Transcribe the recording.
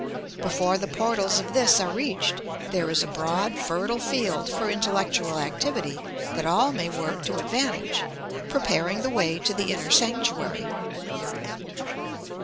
Before the portals of this are reached there is a broad, fertile field for intellectual activity that all may work to advantage, preparing the way to the inner sanctuary.